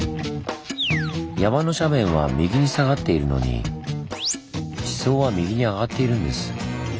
山の斜面は右に下がっているのに地層は右に上がっているんです。